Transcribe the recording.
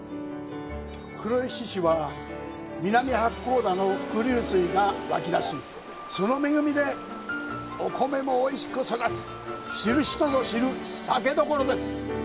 黒石市は南八甲田の伏流水が湧き出し、その恵みでお米もおいしく育つ、知る人ぞ知る酒どころです。